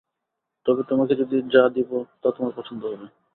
তবে তোমাকে যা দিব তা তোমার পছন্দ হবে।